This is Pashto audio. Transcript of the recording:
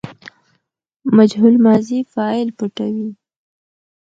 مجهول ماضي فاعل پټوي.